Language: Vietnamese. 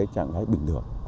đó là một trạng thái bình thường